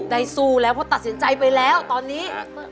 ได้สู้แล้วเพราะตัดสินใจไปแล้วตอนนี้